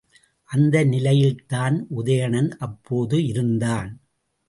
அந்த நிலையில்தான் உதயணன் அப்போது இருந்தான்.